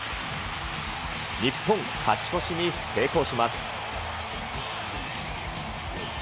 日本、勝ち越しに成功します。